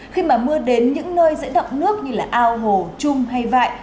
khi mà mưa đến những nơi dễ đọc nước như là ao hồ trung hay vại